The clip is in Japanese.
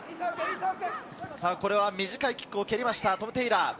これは短いキックを蹴りました、トム・テイラー。